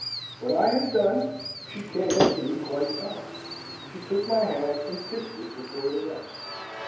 "When I had done, she came up to me quite kind. She took my hand, and kissed it before the rest.